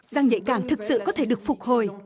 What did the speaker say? giang nhạy cảm thực sự có thể được phục hồi